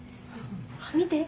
見て。